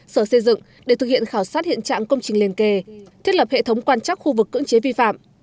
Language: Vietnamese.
sở xây dựng để thực hiện khảo sát hiện trạng công trình liên kề thiết lập hệ thống quan trắc khu vực cưỡng chế vi phạm